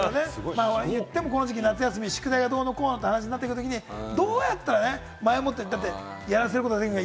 言ってもこの時期、夏休み宿題がどうのこうのってなったときに、どうやったら前もってやらせることができるのか？